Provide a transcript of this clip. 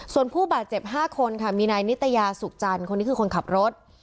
ส่วนผู้บาดเจ็บ๕คนค่ะมีนายนิตยาสุขจันทร์คนนี้คือคนขับรถ